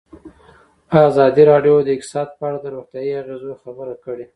ازادي راډیو د اقتصاد په اړه د روغتیایي اغېزو خبره کړې.